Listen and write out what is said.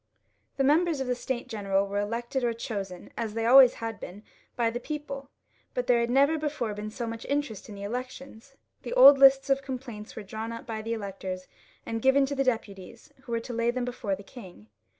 The members of the States General were elected or chosen as they had always been by the people, but there had never before been so much interest in the elections. The old lists of complaints were drawn up by the electors, and given to the deputies, who were to lay them before the king.